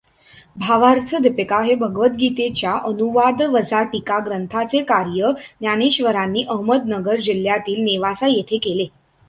भावार्थदीपिका हे भगवद्गीतेच्या अनुवादवजा टीका ग्रंथाचे कार्य ज्ञानेश्वरांनी अहमदनगर जिल्ह्यातील नेवासा येथे केले.